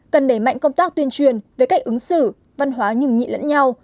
cần đẩy mạnh công tác tuyên truyền về cách ứng xử văn hóa nhường nhị lẫn nhau